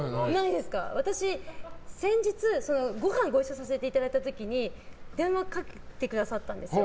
私、先日、ごはんご一緒させていただいた時に電話かけてくださったんですよ。